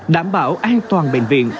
đảm bảo an toàn bệnh viện